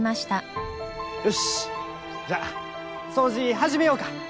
よしじゃあ掃除始めようか！